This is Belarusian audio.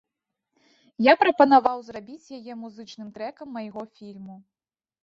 Я прапанаваў зрабіць яе музычным трэкам майго фільму.